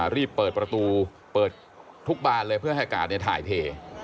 รีบเปิดประตูเปิดทุกบานเลยเพื่อให้กาดถ่ายเท